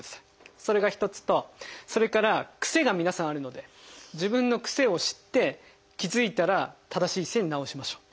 それが一つとそれから癖が皆さんあるので自分の癖を知って気付いたら正しい姿勢に直しましょう。